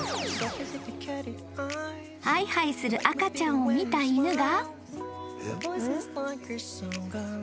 ［はいはいする赤ちゃんを見た犬が］